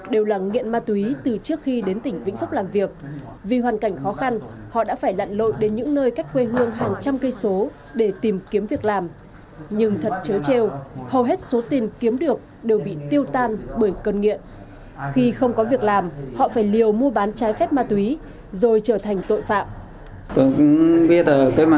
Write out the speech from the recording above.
đều là nghiện ma túy từ trước khi đến tỉnh vĩnh phúc làm việc vì hoàn cảnh khó khăn họ đã phải lặn lội đến những nơi cách quê hương hàng trăm cây số để tìm kiếm việc làm nhưng thật chớ treo hầu hết số tiền kiếm được đều bị tiêu tan bởi cân nghiện khi không có việc làm họ phải liều mua bán trái phép ma túy rồi trở thành tội phạm